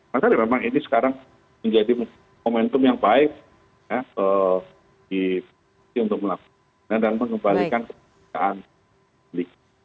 masa memang ini sekarang menjadi momentum yang baik untuk melakukan dan mengembalikan kepentingan